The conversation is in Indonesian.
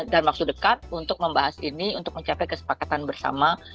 dan maksud dekat untuk membahas ini untuk mencapai kesepakatan bersama